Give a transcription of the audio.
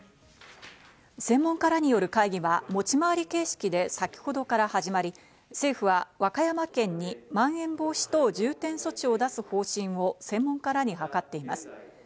専門家らによる会議は持ち回り形式で先ほどから始まり、政府は和歌山県にまん延防止等重点措置を出す方針を専門家らに諮っています。